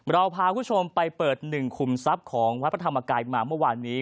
เราพาคุณผู้ชมไปเปิดหนึ่งคุมทรัพย์ของวัดพระธรรมกายมาเมื่อวานนี้